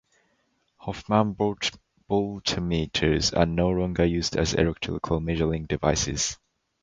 Hofmann voltameters are no longer used as electrical measuring devices.